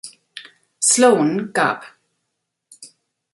Sloane" gab.